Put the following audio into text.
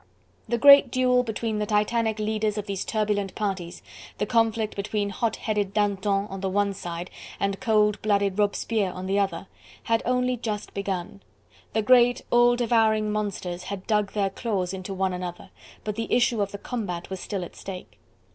The great duel between the Titanic leaders of these turbulent parties, the conflict between hot headed Danton on the one side and cold blooded Robespierre on the other, had only just begun; the great, all devouring monsters had dug their claws into one another, but the issue of the combat was still at stake.